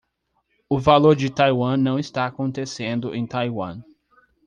O valor de Taiwan não está acontecendo em Taiwan.